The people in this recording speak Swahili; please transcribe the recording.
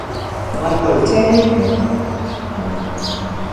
tayari kumekuwa na taarifa za kupangwa kwa maandamano ya kishinikiza masuala muhimu